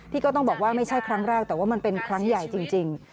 ก็ต้องบอกว่าไม่ใช่ครั้งแรกแต่ว่ามันเป็นครั้งใหญ่จริง